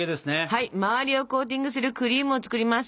はい周りをコーティングするクリームを作ります。